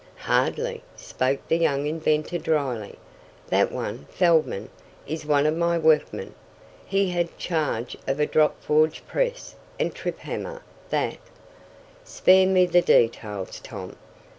"Hardly," spoke the young inventor dryly. "That one, Feldman, is one of my workmen. He had charge of a drop forge press and trip hammer that " "Spare me the details, Tom!"